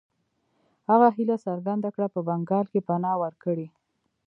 هغه هیله څرګنده کړه په بنګال کې پناه ورکړي.